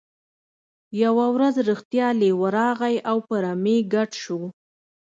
یوه ورځ رښتیا لیوه راغی او په رمې ګډ شو.